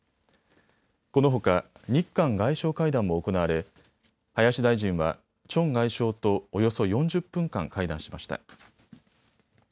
このほか日韓外相会談も行われ林大臣はチョン外相とおよそ４０分間会談しました。